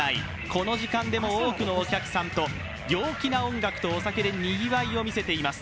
この時間でも多くのお客さんと陽気な音楽とお酒で賑わいを見せています。